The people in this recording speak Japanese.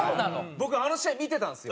僕あの試合見てたんですよ